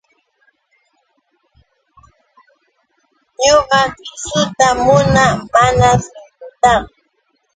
Ñuqa kiisuta munaa, mana shuyrutaqa.